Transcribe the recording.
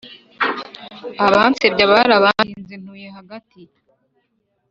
Abansebya warabandinze ntuye hagati